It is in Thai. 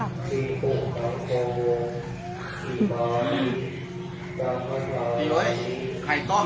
และที่มอง